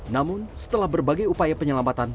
namun setelah berbagai upaya penyelamatan